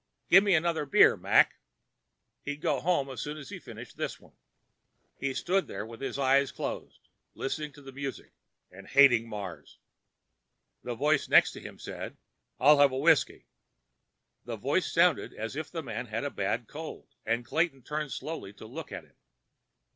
"Gimme another beer, Mac." He'd go home as soon as he finished this one. He stood there with his eyes closed, listening to the music and hating Mars. A voice next to him said: "I'll have a whiskey." The voice sounded as if the man had a bad cold, and Clayton turned slowly to look at him.